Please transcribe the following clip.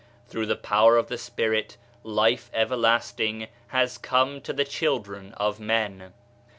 Through the Power of the Spirit Life everlasting has come to the children of Men.